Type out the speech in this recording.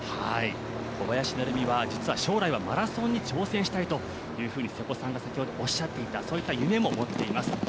小林成美は実は将来はマラソンに挑戦したいと瀬古さんが先ほどおっしゃっていたそういった夢も持っています。